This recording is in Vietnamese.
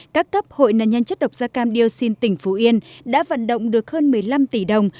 các cấp hội nạn nhân chất độc da cam dioxin tỉnh phú yên đã vận động được hơn một mươi năm tỷ đồng